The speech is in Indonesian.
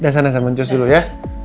udah sana sama jus dulu ya